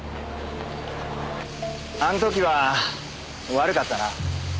あの時は悪かったな。